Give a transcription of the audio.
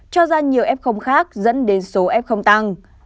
cho ra nhiều f khác dẫn đến số f tăng